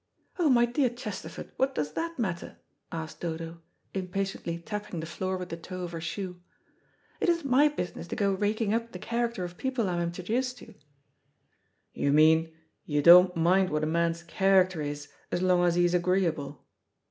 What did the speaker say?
"Oh, my dear Chesterford, what does that matter?" asked Dodo, impatiently tapping the floor with the toe of her shoe. "It isn't my business to go raking up the character of people I'm introduced to." "You mean you don't mind what a man's character is as long as he's agreeable."